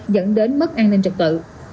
dẫn đến mức an ninh trật tự